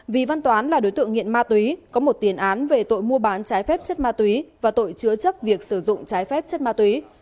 vì văn toán là đối tượng nghiện ma túy có một tiền án về tội mua bán trái phép chất ma túy và tội chứa chấp việc sử dụng trái phép chất ma túy